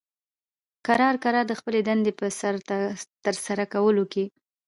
کرار کرار د خپلې دندې په ترسره کولو کې